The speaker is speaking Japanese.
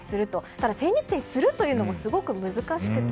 ただ、千日手にするというのもすごく難しくて。